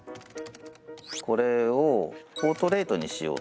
これをポートレートにしようという。